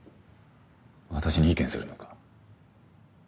私に意見するのか？